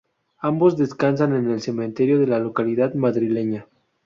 Ambos descansan en el cementerio de la localidad madrileña.